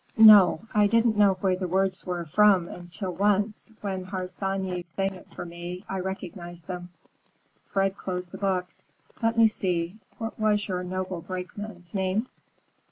"No. I didn't know where the words were from until once, when Harsanyi sang it for me, I recognized them." Fred closed the book. "Let me see, what was your noble brakeman's name?"